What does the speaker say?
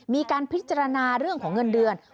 มีการพิจารณาเรื่องของเงินเดือน